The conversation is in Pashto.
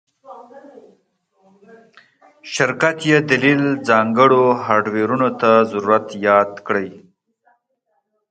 شرکت یی دلیل ځانګړو هارډویرونو ته ضرورت یاد کړی